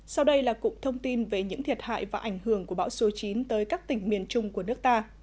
sau đây là cục thông tin về những thiệt hại và ảnh hưởng của bão số chín tới các tỉnh miền trung của nước ta